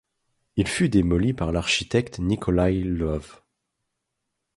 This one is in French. Il fut démoli par l'architecte Nikolaï Lvov.